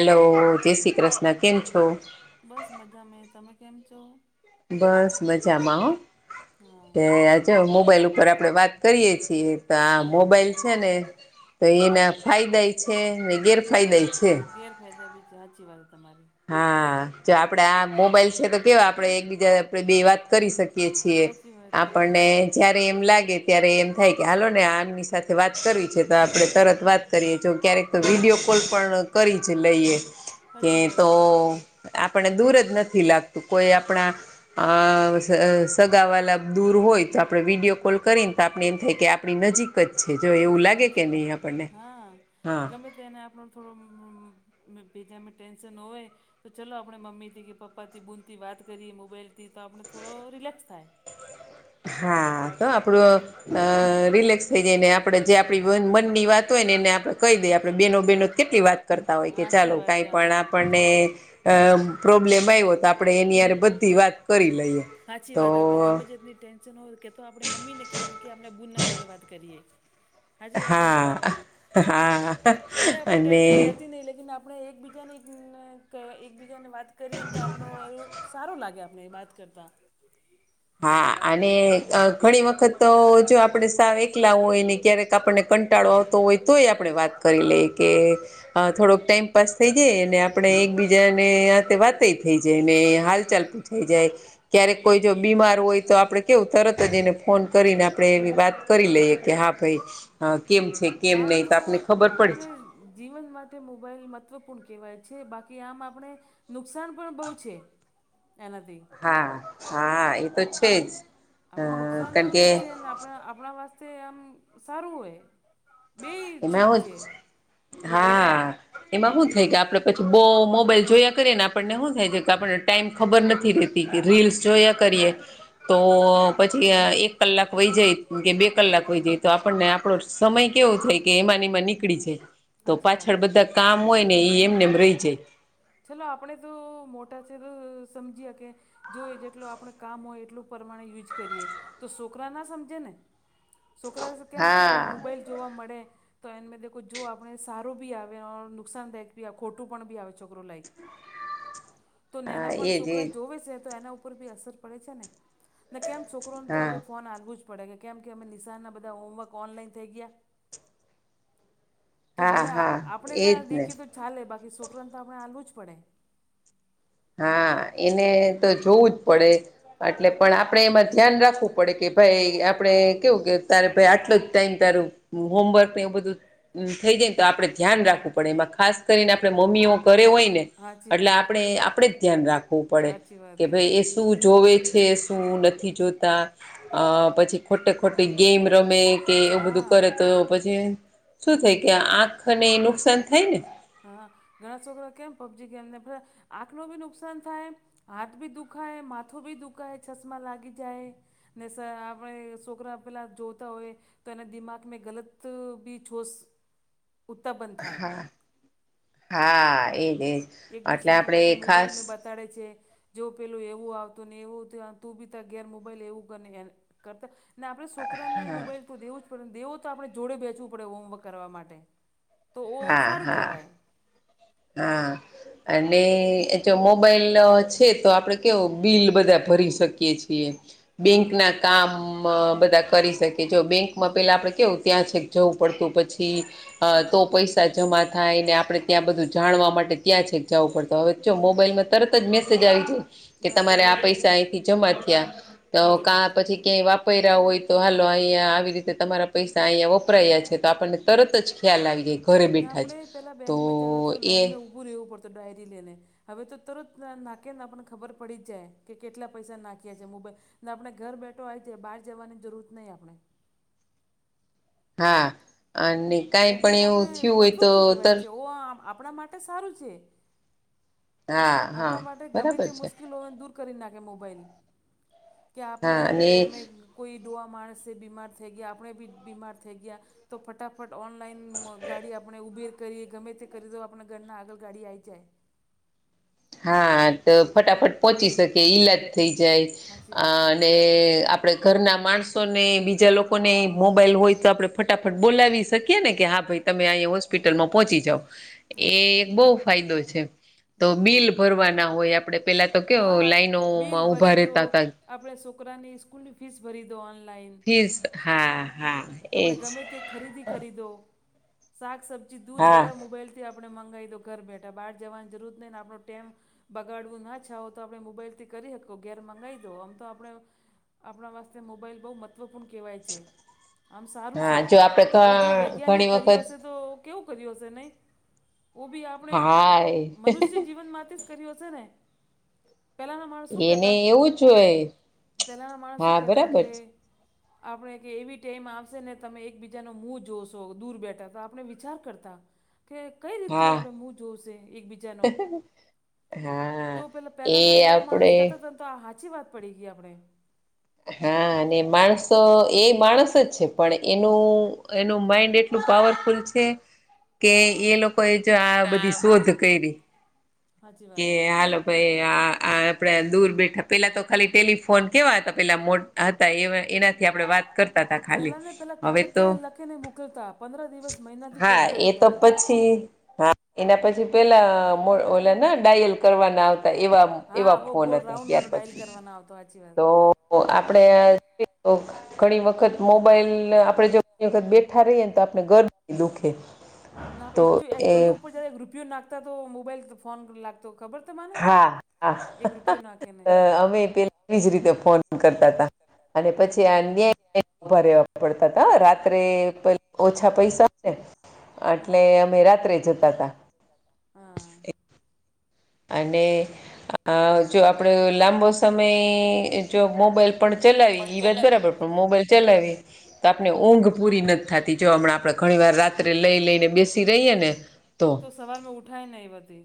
Hello જય શ્રી કૃષ્ણ કેમ છો. બસ મજા મે તમે કેમ છો. બસ મજામા હા એ આજે મોબાઈલ ઉપર આપડે વાત કરીયે છીએ તો આ મોબાઈલ છેને. તો એના ફાયદા છે ને ગેરફાયદે છે. ગેરફાયદા બી છે સાચી વાત તમારી હા જો આપડે આ મોબાઈલ છે તો કેવા આપડે એકબીજા આપ બે વાત કરી શકીએ છીએ. આપણને જય્યારે એમ લાગે ત્યારે એમ થાય કે હાલો ને આમની સાથે વાત ત કરવી છે તો આપણે તરત વાત કરીએ ક્યારેક તો વિડીિયો કોલ પણ કરી જ લઈએ સાખી વાત એ તો આપને દૂર જ નથી લાગતું કોઈ આપણા અ સગાવાલા દૂર હોય તો આપણે વિડીયો કોલ કરીને તો આપણે એમ થાય કે આપણી નજીક જ છે જો એવું લાગે કે નહીં આપણને હા ને આપણો થોડો બીજામાં ટેન્શન હોય તો ચાલલો આપણે મમ્મીથી કે પપ્પાથી બૂદથી વાત કરીએ મોબાઈલથી તો આપણે થોડો રિલેક્સ થાય હા તો આપણું અ રિલેક્સ થઈ જાય ને આપડે જે આપણી મનની વાત હોય ને એને આપડે કહી દઈએ આપડણે બેનો બનો કેટલી વાત કરતા હોય કે ચાલો કાઈ પણ આપણને અ પ્રોબ્લેમ આવ્યો તો આપણે એની હારે બધી વાત કરી લઈએ. સાચી વાત આપડે ગમે જેટલી તો આપણે મમ્મી ને કહીએને કે આપણે બૂન ના જોડે વાત કરીએ. હાજી વાત નહી ભલે આપ ટેન્શન લેતી નહી આપ આપણે એકબીજાની એકબીજાની વાત કરીએ ને તો આપણું એવું. સારું લાગે આપણને વાત કરતાં. હા અને ઘણી વખત તો જો આપણે સાવ એકલા હોય ને ક્યારેક આપણને કંટાળો આવતો હોય તોય આપણે વાત કરી લઈ કે થોડોક ટાઈમ પસાર થઈ જાય અને આપણે એકબીજાને વાતય થઈ જાય ને હાલચાલ પુછાય જાય ક્યારેક કોઈ જો બીમાર હોય તો આપણે કેવું તરત જ એને ફોન કરીને આપણે એવી વાત કરી લઈએ કે હા ભાઈ કેમ છે કેમ નહી તો આપને ખબર પડે છે જીવન માટે મોબાઈલ મહત્વપૂર્ણ કહેવાય છે બાકી આમ આપણે નુકસાન પણ બહુ છે એનાથી હા હા એ તો છે જ કારણ કે. આપણા આપણા વાસ્તે આમ સારું હોય એમાં હા એમાં શું થઈ ગયા આપડે પછી બહુ મોબાઈલ જોયા કરીએ ને આપણને શું થાય છે કે આપણને ટાઈમ ખબર નથી રહેેતી કે રીલ્સ જોયા કરીએ તો પછી એક કલાક વય જાય કે બે કલાક વય જાય તો આપણને આપણો સમય કેવું થઈ કે એમાંને એમાં નીકળી છે તો પાછળ બધા કામ હોય ને એ એમને એમ રહી જાય ચાલો આપણે તો મોટા થઇનેતો સમજીયા કે જો જેટલોય આપણે કામ હોય એટલું પ્રમાણે યુજ કરીએ તો છોકરા ના સમજે ને છોકરા કેમ કે મોબાઈલ જોવા મળે તો એ જો આપણે સારું બી આવે નુકસાનદાયક બી ખોટું પણ બી આવે છોકરો લઈ તો નાના પણ છોકરા જોવે છે તો એના ઉપર ભી અસર પડે છે ને કેમ છોકરોને તો હવે ફોન આલવુ જ પડે કેમ કે એમા નિશાળના બધા હોમવર્ક ઓનલાઈન થઈ ગયા. તો ભલે આપણે ના દેખીએ તો ચાલે બાકી છોકરાને તો આપણે આલવું જ પડે. હા એને તો જોવું જ પડે એટલે પણ આપણે એમાં ધ્યાન રાખવું પડે કે ભાઈ આપડે કેવું કે તારે ભાઈ આટલો જ ટાઈમ તારું હોમવર્કને એવું બધું થઈ જાય ને તો આપણે ધ્યાન રાખવું પડે એમાં ખાસ કરીને આપણે મમ્મીઓ ઘરે હોય ને એટલે આપણે આપણેે જ ધ્યાન રાખવું પડે કે ભાઈ એ શું જોવે છે શું નથી જોતા પછી ખોટે ખોટી ગેમ રમે કે એવું બધું કરે તો પછી શું થાય કે આંખને નુકસાન થાય ને હા ઘણા છોકરા કેમ પબજી ગેમને આંખનું ભી નુકસાન થાય હાથ ભી દુખાય, માથું ભી દુખાય, ચશ્મા લાગી જાય ને આપણે છોકરા પેલા જોતા હોય તો એના દિમાગને ગલત ભી જોસ ઉત્તપન્ન થાય હા એ જ એ એક દુસરા ને પસે મોબાઇલમાં બાત બતાડે છે જો પેલું એવું આવતું ને એવું તું બી ગેમ મોબાઈલ એવું કરીને કરતા ને આપણેે છોકરાને મોબાઈલ તો દેવું જ પડે દેવો તો આપણે જોડે બેસવું પડે હોમવર્ક કરવા માટે તો સારું કહેવાય હા અને જો મોબાઈલ છે તો આપણે કેવું બિલ બધા ભરી શકીએ છીએ બેંક ના કામ બધા કરી શકે જો બેંકમાં પેલા આપણે કેવું ત્યાં છે જવું પડતું પછી. અ તો પૈસા જમા થાયને આપડે ત્યાં બધું. જાણવા માટે ત્યાં છે જવું પડત હવે ચો મોબાઈલમાં. તરત જ મેસેજ આવી જાય કે તમારે આ પૈસા અહીંથી જમા થયા. તો કા પછી ક્યાંય વાપર રહ્યા હોય તો હાલો અહીંયા આવી રીતે તમારા પૈસા અહિયાયાપ. વપરાયા છે તો આપણને તરત જ ખ્યાલ આવી જાય ઘરે બેઠા જ તો. લાઈન ઉભું રહેવું પડતો ડાયરી લેને. હવે તો તરત નાખે નેને ખબર પડી જ જાય કે કેટલા પૈસા નાખ્યા છે મોબાઈલ. ને આપણે ઘર બેઠો હોય છે બહાર જવાની જરૂરત નહીં આપણે. હા અને. ઓ બી આપણે મહત્વપૂર્ણ કેહેવાય છે ઓ આપણા માટે સારું છે. આપણા માટે ગમે તે મુશ્કેલીલોને દૂર. કરી નાખે મોબાઈલ કે આપણે હવે ગરમે. કોઈ ડોઆ માણસ બીમાર થઈ ગયા આપણે બી બીમાાર થ ગયા. તો ફટાફટ ઓનલાઈન ગાડી આપણે ઊભીર. કરીએ ગમે તે કરી દો આપણા ઘરના આગળ ગાડી આવી જાય. હા તો ફટાફટ પહોંચી શકે ઈલાજ થઈ જાય અને. આપણે ઘરના માણસોને બીજા લોકોને મોબાઈલ હોય તો આપણે. ફટાફટ બોલાવી શકીએ ને કે હા ભાઈ તમે અહીંયા હો. હોસ્પિટલમાં પહોંચી જાવ એ એક બહ ફાયદો છે તો બિલ કરવા ના હોય આપડે પેલા તો કેવ લાઈનોમાં ઉભા રહેેતા હતા. આપણે છોકરાની સ્કૂલની ફીસ ભરી દો ઓનલાઈન. ફીર્સ હા, હા.... આપણે ગમે તે ખરીદી કરીરી દો શાક સબ્જી દૂધ બધા મોબાઈલ થી આપણે મંગાવી દો ઘર બેઠા બહાર જવાની જરૂરત નહી ને આપણો ટેમ. બગાડવું ના છ હો તો આપણે મોબાઈલ થી કરી શકો ઘેર મંગાવી દો આમ તો આપણ આપણા વાસ્તે મોબાઈલ બહુ મહત્વપૂર્ણ કહેવાય છે. આમ સારું છે ઓ જો વૈજ્ઞાનિક કર હશે તો. કેવું કર હ નહી બી આપણે મનુષ્ય જીવનમાંથી. કરી્યો છે ને. પેલાના માણસ શું કેતા પેલાના માણસ શું કેતા કે. આપણે કે એવી. ટેમ આવશે ને તમે એકબીજાનો મુહ જોશો દૂર બેઠા તો આપણે વિચાર કરતા કે કઈ રીતથી આપણે હું જોઉશે એકબીજાનો. તો પેલા પહેલાના ડોવા માણસ કહેતો હતા તો આ હાચી વાત પડી ગઈ આપણે. હા અને માણસ એ માણસ જ છે પણ એનું એનું માઇન્ડ. એટલું પાવરફુલ છે કે એ લોકો. જો આ બધી શોધ કરી કે હાલ. આ આ આપે દૂર બેઠા પેલા તો ખાલી ટેલિફોન કેવા હતા. પેલા મો હતા એનાથી આપડણે વાત કરતા. ટાકા ખાલી હવે તો... હા એ તો પછી. હા એના પછી પેલા મોળ ઓલા નળ. ડાયલ કરવાના આવતા એવા એવા ફોન હતા ત્યાર પછી તો. ઓ આપડે. ઘણી વખત મોબાઈલ આપડણે જો ઘણી વખત બેઠા રહીએ ને તો આપને ઘર દુખે. ના ભઈ ઈસ્ટી એસ્ટરી ઉપર જ રૂપિયો નાખતા તો મોબાઈલ ફોન લાગતો ખબર તમારે. હા, હા... અ અમે પેલા એજ રીતે ફોન કરતા હતા અને પછી આ ન્યાય. ઉભા રહેેવા પડતા હતા રાત્રે પે ઓછા પૈસા. એટલે અમે રાત્રે જતાતા. હા. અને આજો આપણો લાંબો સમય જો મોબાઈલ પણ ચલાવી એ વાત બરાબર પણ મોબાઈલ ચલાવીએ. તો આપણે ઊંઘ પૂરી નથી થતી જોવા હમણાં આપણે ઘણી વાર રાત્રે લઈ લઈને બેસી રહીએ ને. તો. સવારમાં ઉઠાય નહીં પછી.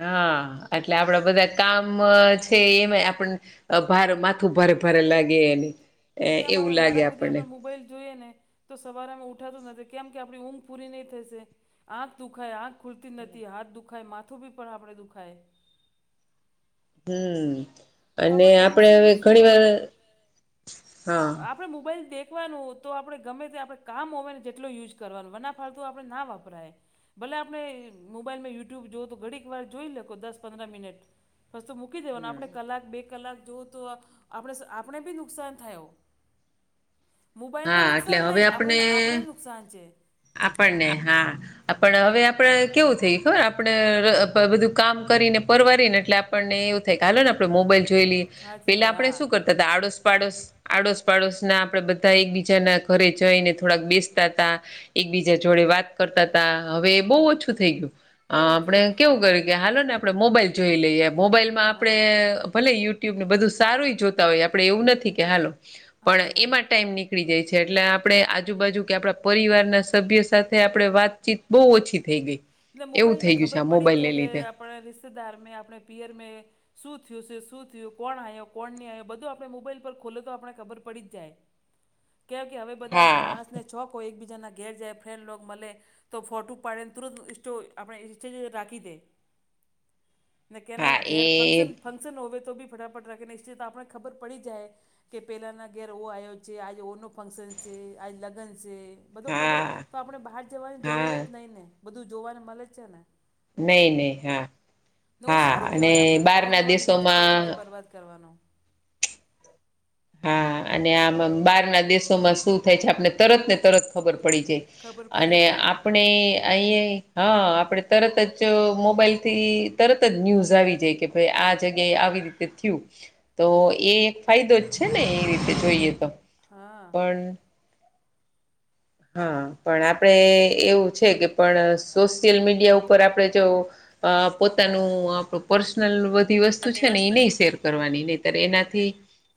હા એટલે આપણા બધા કામ છે એમાં આપ હવ ભારે માથું ભારે ભારે લાગે એને તો કેમ આવે મોડા સુધી આપણે મોબાઈલ જોઈએ ને. તો સવારે અમે ઉઠાતું નથી કેમ કે આપણી ઊંઘ પૂરી નહી થશે આખ દુખાય આંખ ખુલતી નથી હાથ દુખાય માથું બી પણ આપણે દુખાય હમ અને આપણા હવે ઘણી વાર હા. આપણે મોબાઈલ દેખવાનું હો તો આપણે ગમે તે આપણ કામ હોય ને જેટલો યુઝ કરવાનું વના ફાલતુ આપણે ના વાપરાય. ભલે આપણે મોબાઈલમાં યુટ્યુબ જોવઓ તો ઘડીક વાર જોઈ લ્યો દસ પંદર મિનટ બસ તો મૂકી દેવા અને આપણે કલાક બે કલાક જોવું તો આપણે આપણે બી નુકસાન થાય. મોબાઈલને નુકસાન નહી આપણે આપણે નુકસાન છે. આપણને હા. હવે આપડે કેવું થઈ ખબર આપણે બધું કામ કરીને પરવારીને એટલે આપણને એવું. જરીક હાલો ને આપણે મોબાઈલ જોઈ લઈએ પેલા આપણે શું કરતા હતા આડોશ પાડોશ. આડોશ પાડોશ ના આપણેે બધા એકબીજાના ઘરે જઈને થોડાક બેસતા તા એકબીજા જોડે વાત કરતા ત હવે બહુ ઓછું થઈ ગયું આપણે કેવું કરે. હાલો ને આપણે મોબાઈલ જોઈ લઈએ મોબાઈલ માં આપણે. ભલે યુટ્યુબ ને બધું સારું જોતા હોય આપણે એવું નથી કે હાલો પણ એમાં ટાઈમ ની નીકળી જાય છે એટલે આપણે આજુબાજુ કે આપણા પરિવારના સભ્યો સાથે આપણે વાતચીત બહુ ઓછી થઈ ગઈ. ને મોબાઈલમાં ખબર પડી જ જાય કે આપણે રિશ્તેદાર મે આપણે પિયર મે શું થયું છે શું થયું કોણ આવ કોણ નહી આવ્યો બધું આપણે મોબાઈલ પર ખોલે તો આપણે ખબર પડી જ જાય. [inaudible] કેવા કે હવે બધા માણસને છોક એક બીજાના ઘેર જાય ફ્રેન્ડસ લોકો મળે તો ફોટો પડે તો તરત તો આપણે [unintelligible] રાખી દે ને કે ને ઘેર ફંક્શન ફંક્શન હોવે તો બી ફટાફટ રાખી દે છે તો આપણે ખબર પડી જાય. કે પહેલાંનાં ઘેર ઓ આવ્યો છે આજે ઓનું ફંક્શન છે આજ લગ્ન છે. બધો ખબર તો આપણે બહાર જવાની જરૂરત નહી ને બધું જોવાને મળે જ છે ને ઓ સારું કેવાય આપણેે બહાર જવાનું વેસ્ટ ટાઈમ નહી બરબાદ કરવાનો. હા અને આમ બહાર ના દેશોમાં શું થાય છે આપને તરત ને તરત ખબર પડી જાય. અને આપણે. અહી હા આપણે તરત જ મોબાઈલ થી તરત જ ન્યુઝ આવી જાય કે હવે આ જગ્યાએ આવી રીતે થયું. તો એ એક ફાયદો જ છે ને એ રીતે જોઈએ તો પણ હા પણ આપણે એવું છે કે પણ સોશિયલ મીડિયા ઉપર આપણે જો અ પોતાનું આપણું પર્સનલ બધી વસ્તુ છે ને ઈ નહી શેર કરવાની ને ત એનાથી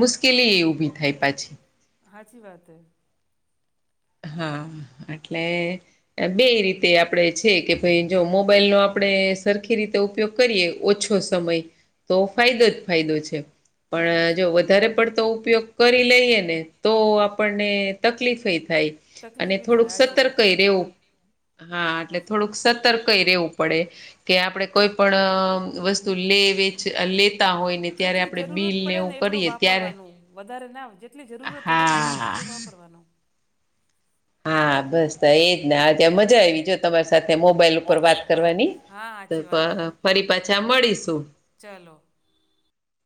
મુશ્કેલી એ ઉભી થાય પાછી હાચી વાત હા એટલે બે રીતે આપણેે છે કે ભાઈ જો મોબાઈલ નો આપણે સરખી રીતે ઉપયોગ કરીએ ઓછો સમય તો ફાયદો જ ફાયદો છે પણ જો વધારે પડતો ઉપયોગ કરી લઈએ ને તો આપણને તકલીફએ થાય અને થોડુંક સતર્ક ઈ રેવું હા એટલે થોડુંક સત ક રેવું પડે કે આપણે કોઈ પણ વસ્તુ લેે હોય ને ત્યારે આપણે બિલ ને એવું કરીએ ત્યારે વધારે ના જેટલી જરૂરત હોય ને આપણે જેટલું વાપરવાનું હા બસ એજ ને આ ત્યાં મજા આવી જો તમારી સાથે મોબાઈલ ઉપર વાત કરવાની તો ફરી પાછા મળીશું ચાલો